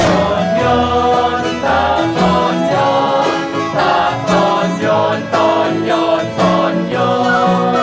ตอนยอดตอนยอดตอนยอดตอนยอดตอนยอด